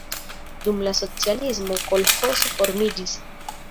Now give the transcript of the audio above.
Dum la socialismo kolĥozo formiĝis.